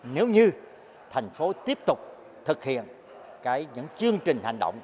nếu như thành phố tiếp tục thực hiện những chương trình hành động